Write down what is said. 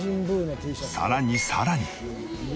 さらにさらに。